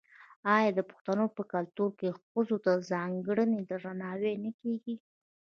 آیا د پښتنو په کلتور کې ښځو ته ځانګړی درناوی نه کیږي؟